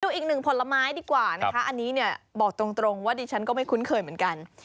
อีกหนึ่งผลไม้ดีกว่านะคะอันนี้เนี่ยบอกตรงว่าดิฉันก็ไม่คุ้นเคยเหมือนกัน